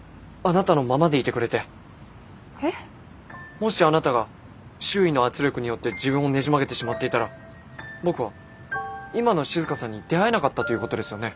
もしあなたが周囲の圧力によって自分をねじ曲げてしまっていたら僕は今の静さんに出会えなかったということですよね。